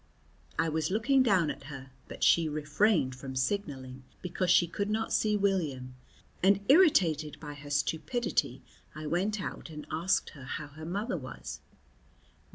I was looking down at her, but she refrained from signalling because she could not see William, and irritated by her stupidity I went out and asked her how her mother was.